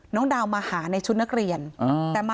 ก็แปลกใจอยู่